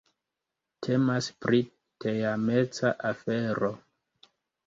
Temas pri teameca afero.